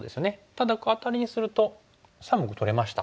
ただアタリにすると３目取れました。